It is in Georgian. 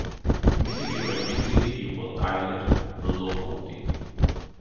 მისი პირველი ჰიბრიდი იყო ტაილერ ლოკვუდი.